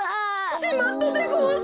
しまったでごわす！